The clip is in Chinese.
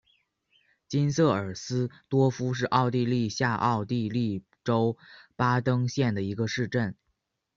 金瑟尔斯多夫是奥地利下奥地利州巴登县的一个市镇。